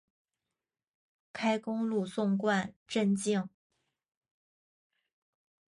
开公路纵贯镇境。